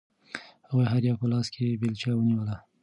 هغوی هر یو په لاس کې بیلچه ونیوله.